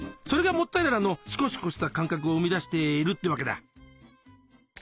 それがモッツァレラのシコシコした感覚を生み出しているってわけだ。